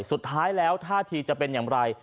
สุดท้ายแล้วท่าทีจะเป็นอย่างไร